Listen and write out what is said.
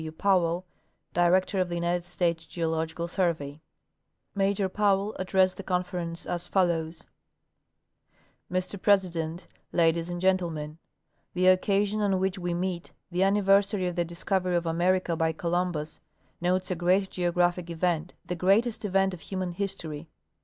W. Powell, Director of the United States Geological Survey. Major Powell addressed the Conference as folloAvs : Mr President, Ladies and Gentlemen; The occasion on which we meet, the anniversary of the discovery of America by Columbus, notes a great geographic event, the greatest event of human history.